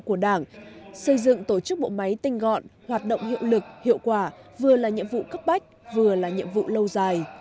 các đại biểu đã tập trung thảo luận về phương thức lãnh đạo của đảng xây dựng tổ chức bộ máy tinh gọn hoạt động hiệu lực hiệu quả vừa là nhiệm vụ cấp bách vừa là nhiệm vụ lâu dài